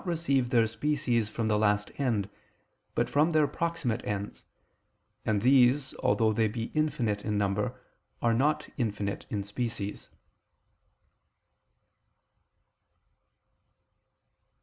3: Moral matters do not receive their species from the last end, but from their proximate ends: and these, although they be infinite in number, are not infinite in species.